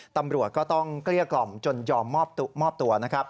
ตำรวจก็ต้องเกลี้ยกล่อมจนยอมมอบตัวนะครับ